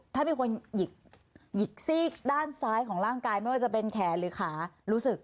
ถ้ามีคนหยิกซีกด้านซ้ายของร่างกายไม่ว่าจะเป็นแขนหรือขารู้สึก